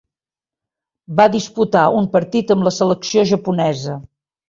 Va disputar un partit amb la selecció japonesa.